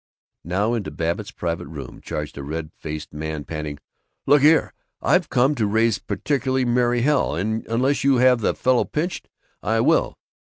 Now into Babbitt's private room charged a red faced man, panting, "Look here! I've come to raise particular merry hell, and unless you have that fellow pinched, I will!"